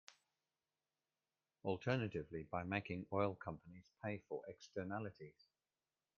Alternatively, by making oil companies pay for externalities.